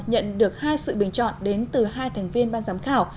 nhận được hai sự bình chọn đến từ hai thành viên ban giám khảo